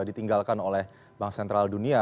ditinggalkan oleh bank sentral dunia